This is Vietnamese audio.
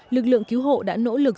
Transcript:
lực lượng cứu hộ đã nỗ lực